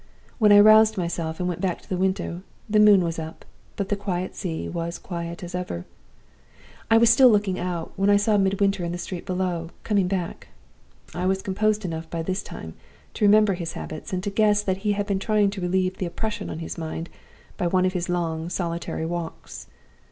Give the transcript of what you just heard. When I roused myself and went back to the window, the moon was up; but the quiet sea was as quiet as ever. "I was still looking out, when I saw Midwinter in the street below, coming back. I was composed enough by this time to remember his habits, and to guess that he had been trying to relieve the oppression on his mind by one of his long solitary walks.